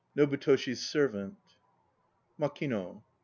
NOBUTOSHI'S SERVANT. MAKINO.